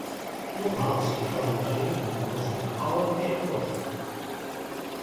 Nogmaals, ik kan dit alleen doen als u daar allen mee akkoord gaat.